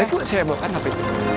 baik bu saya bawa kan hape